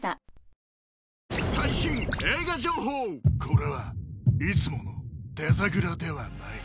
これはいつものデザグラではない